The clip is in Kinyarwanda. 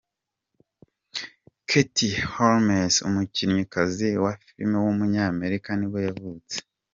Katie Holmes, umukinnyikazi wa filime w’umunyamerika nibwo yavutse.